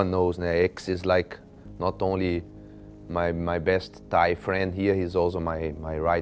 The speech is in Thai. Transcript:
ทุกคนรู้สิว่าเอกซ์คือไม่แหละที่เจอกับชายจังหวังที่ติดสิ้น